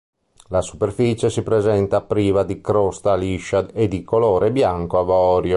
La superficie si presenta priva di crosta liscia e di colore bianco avorio.